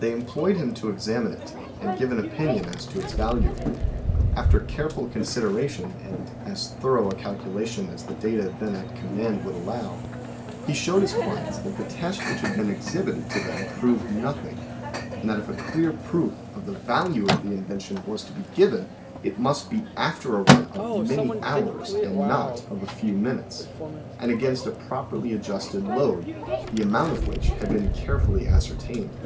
They employed him to examine it and give an opinion as to its value. After careful consideration and as thorough a calculation as the data then at command would allow, he showed his clients that the tests which had been exhibited to them proved nothing, and that if a clear proof of the value of the invention was to be given, it must be after a run of many hours and not of a few minutes, and against a properly adjusted load, the amount of which had been carefully ascertained.